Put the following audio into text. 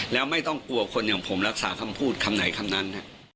แล้วไม่ต้องกลัวคนอย่างผมรักษาคำพูดคำไหนคำนั้น